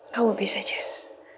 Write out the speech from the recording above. kamu bisa jess